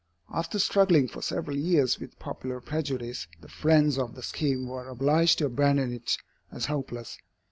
After struggling for several years with popular prejudice, the friends of the scheme were obliged to abandon it as hopeless.